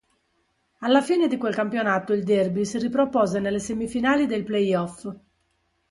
Alla fine di quel campionato il derby si ripropose nelle semifinali dei play-off.